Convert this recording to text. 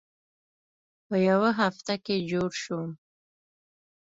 په یوه هفته کې جوړ شوم.